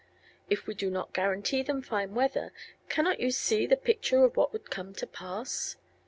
If we do not guarantee them fine weather, cannot you see the picture of what would come to pass?